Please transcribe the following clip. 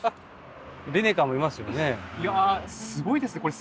すごいですねこれ。